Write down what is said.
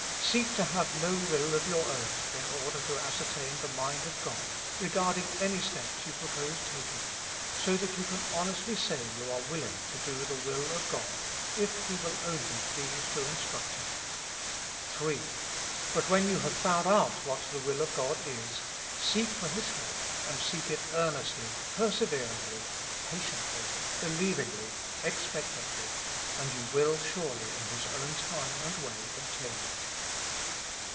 Seek to have no will of your own, in order to ascertain the mind of God, regard ing any steps you propose taking, so that you can honestly say you are willing to do the will of God, if He will only please to instruct ycu. 3. But when you have found out what the will ot God is, seek for His help, and seek it earnestly, perseveringly, patiently, believingly, expectantly ; and you will surely in His own time and way obtain it.